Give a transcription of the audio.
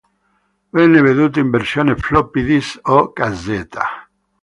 Venne venduto in versione floppy disk o cassetta.